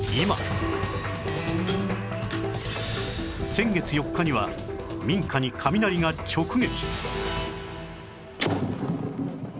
先月４日には民家に雷が直撃